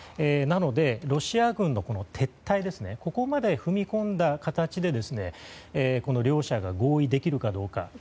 なので、ロシア軍の撤退ここまで踏み込んだ形で両者が合意できるかどうか。